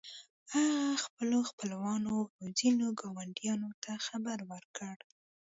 هغه خپلو خپلوانو او ځينو ګاونډيانو ته خبر ورکړ.